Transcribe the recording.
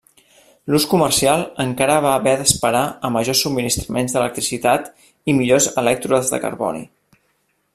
L'ús comercial encara va haver d'esperar a majors subministraments d'electricitat i millors elèctrodes de carboni.